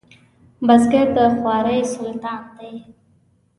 بزګر د خوارۍ سلطان دی